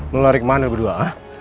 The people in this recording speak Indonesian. melarik mana berdua